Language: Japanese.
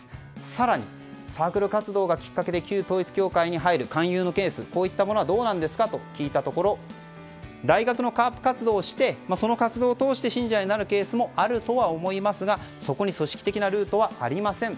更に、サークル活動がきっかけで旧統一教会に入る勧誘のケースといったものはどうなんですかと聞いたところ大学のＣＡＲＰ活動をしてその活動を通して信者になるケースもあるとは思いますがそこに組織的なルートはありません。